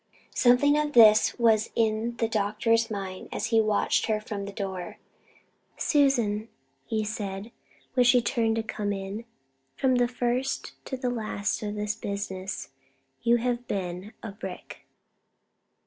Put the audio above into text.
Something of this was in the doctor's mind as he watched her from the door. "Susan," he said, when she turned to come in, "from first to last of this business you have been a brick!"